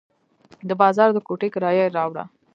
د بازار د کوټې کرایه یې راوړه.